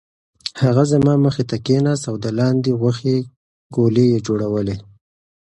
هغه زما مخې ته کېناست او د لاندي غوښې ګولې یې جوړولې.